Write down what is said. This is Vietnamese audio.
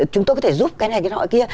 chúng tôi có thể giúp cái này cái họ kia